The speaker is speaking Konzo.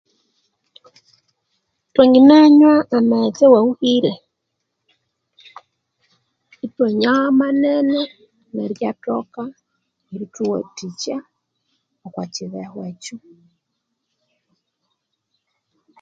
Thwanginanywa amghetse awahuhire ithwanywa manene nerikyathoka erithuwathikya okwa kibeho ekyo